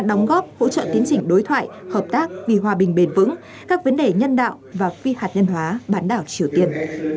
đóng góp hỗ trợ tiến trình đối thoại hợp tác vì hòa bình bền vững các vấn đề nhân đạo và phi hạt nhân hóa bán đảo triều tiên